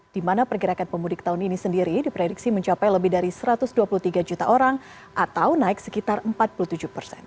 di mana pergerakan pemudik tahun ini sendiri diprediksi mencapai lebih dari satu ratus dua puluh tiga juta orang atau naik sekitar empat puluh tujuh persen